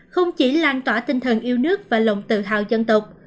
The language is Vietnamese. không chỉ lan tỏa tinh thần yêu nước và lòng tự hào dân tộc